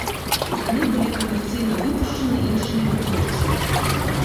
Яны былі камерцыйна выпушчаны іншымі вытворцамі.